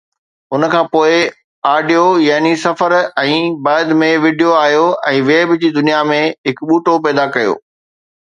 ان کان پوءِ آڊيو يعني سفر ۽ بعد ۾ وڊيو آيو ۽ ويب جي دنيا ۾ هڪ ٻوٽو پيدا ڪيو